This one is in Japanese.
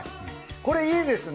これいいですね